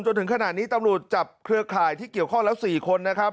จนถึงขณะนี้ตำรวจจับเครือข่ายที่เกี่ยวข้องแล้ว๔คนนะครับ